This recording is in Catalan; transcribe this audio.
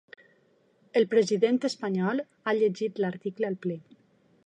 El president espanyol ha llegit l’article al ple.